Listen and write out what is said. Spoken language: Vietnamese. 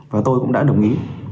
và tôi cũng đã đồng ý